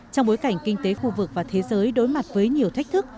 trong bối cảnh kinh tế khu vực và thế giới đối mặt với nhiều thách thức